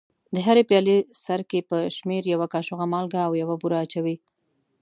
د هرې پیالې سرکې پر شمېر یوه کاشوغه مالګه او یوه بوره اچوي.